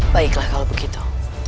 baiklah kalau begitu